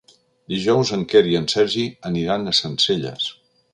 Dijous en Quer i en Sergi aniran a Sencelles.